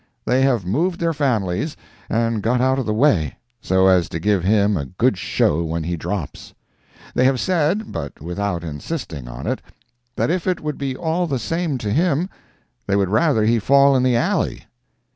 They have moved their families, and got out of the way, so as to give him a good show when he drops. They have said, but without insisting on it, that if it would be all the same to him, they would rather he would fall in the alley.